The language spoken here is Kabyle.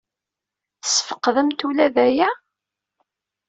Tesfeqdemt ula d aya?